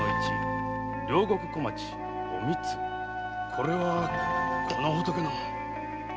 これはこの仏の。